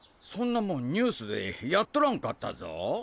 そんなもんニュースでやっとらんかったぞぉ。